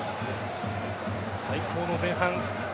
最高の前半。